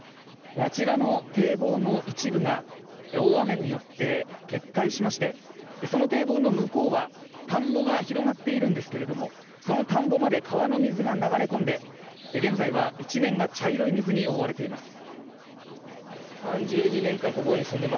あちらの堤防の一部が大雨によって決壊しましてその堤防の向こうは田んぼが広がっているんですがその田んぼまで川の水が流れ込んで現在は一面が茶色い水に覆われています。